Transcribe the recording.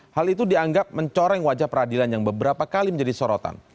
hal itu dianggap mencoreng wajah peradilan yang beberapa kali menjadi sorotan